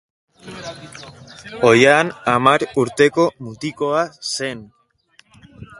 Oihan hamar urteko mutikoa zen.